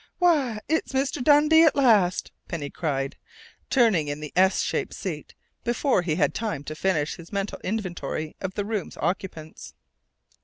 "Why, it's Mr. Dundee at last!" Penny cried, turning in the S shaped seat before he had time to finish his mental inventory of the room's occupants.